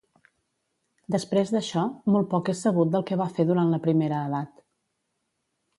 Després d'això, molt poc és sabut del que va fer durant la Primera Edat.